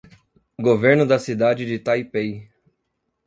Governo da cidade de Taipei